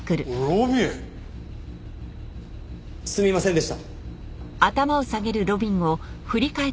すみませんでした。